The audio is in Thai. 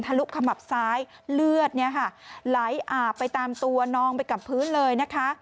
ลุขมับซ้ายเลือดเนี่ยค่ะไหลอาบไปตามตัวนองไปกับพื้นเลยนะคะ